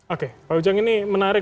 oke pak ujang ini menarik